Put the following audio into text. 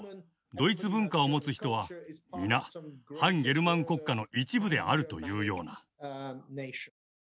ドイツ文化を持つ人は皆汎ゲルマン国家の一部であるというような。